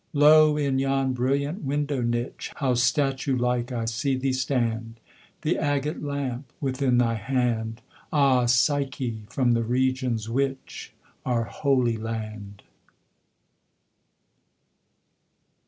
Lo! in yon brilliant window niche How statue like I see thee stand, The agate lamp within thy hand! Ah, Psyche, from the regions which Are Holy Land!